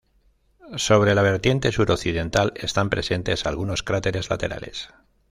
Sobre la vertiente suroccidental están presentes algunos cráteres laterales.